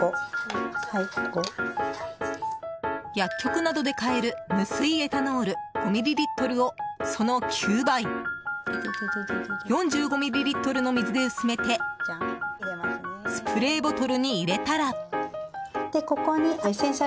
薬局などで買える無水エタノール５ミリリットルをその９倍、４５ミリリットルの水で薄めてスプレーボトルに入れたら。